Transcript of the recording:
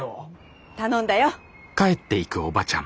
頼んだよ。